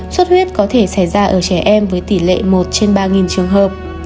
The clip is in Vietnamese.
xuất huyết có thể xảy ra ở trẻ em với tỷ lệ một trên ba trường hợp